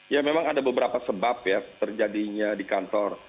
ya memang ada beberapa sebab ya terjadinya di kantor